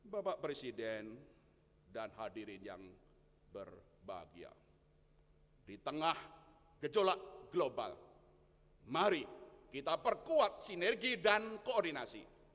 bapak presiden dan hadirin yang berbahagia di tengah gejolak global mari kita perkuat sinergi dan koordinasi